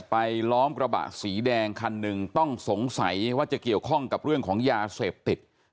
ล้อมกระบะสีแดงคันหนึ่งต้องสงสัยว่าจะเกี่ยวข้องกับเรื่องของยาเสพติด